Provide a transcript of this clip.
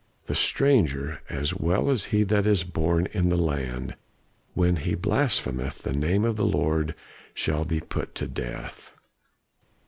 The stranger, as well as he that is born in the land, when he blasphemeth the name of the Lord shall be put to death.